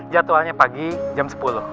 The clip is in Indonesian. jadwalnya pagi jam sepuluh